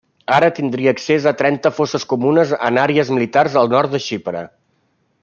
Ara tindria accés a trenta fosses comunes en àrees militars al nord de Xipre.